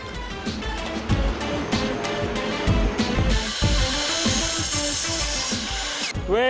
pemotongan pertama berhasil